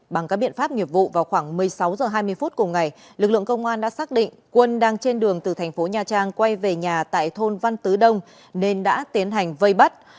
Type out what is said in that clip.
bằng các biện pháp nghiệp vụ vào khoảng một mươi sáu h hai mươi phút cùng ngày lực lượng công an đã xác định quân đang trên đường từ thành phố nha trang quay về nhà tại thôn văn tứ đông nên đã tiến hành vây bắt